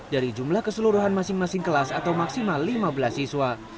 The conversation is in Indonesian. dari jumlah keseluruhan masing masing kelas atau maksimal lima belas siswa